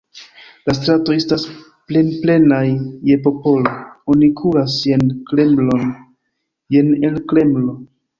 La stratoj estas plenplenaj je popolo, oni kuras jen Kremlon, jen el Kremlo.